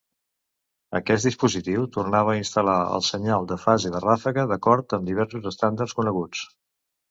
Aquest dispositiu tornava a instal·lar el senyal de fase de ràfega d'acord amb diversos estàndards coneguts.